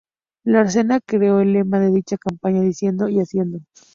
Laserna creó el lema de dicha campaña, "Diciendo y haciendo".